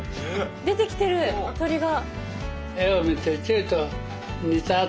出てきてる鳥が。